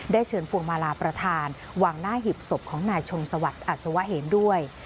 เชิญพวงมาลาประธานวางหน้าหีบศพของนายชนสวัสดิ์อัศวะเหมด้วย